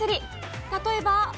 例えば。